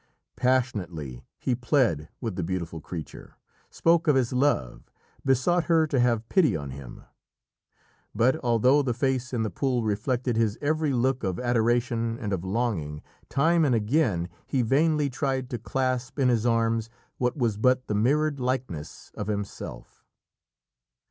Passionately he pled with the beautiful creature spoke of his love besought her to have pity on him, but although the face in the pool reflected his every look of adoration and of longing, time and again he vainly tried to clasp in his arms what was but the mirrored likeness of himself.